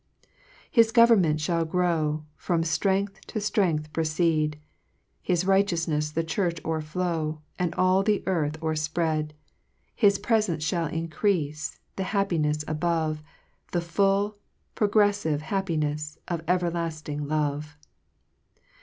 4 His government lhall grow, From ftrength to llrength proceed, His righteoufnefs the church o'erilow, And all the earth o'erfprcad : His prefence fliall increafe The happinefs above, The full, progreflive happinefs Of everlafting love.